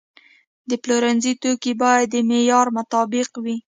د پلورنځي توکي باید د معیار مطابق وي.